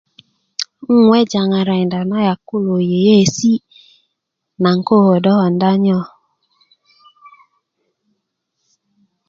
'nweja' ŋarakinda na yak kulo yi yeyeesi' naŋ koo kodö konda nyo